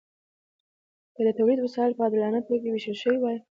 که د تولید وسایل په عادلانه توګه ویشل شوي وای.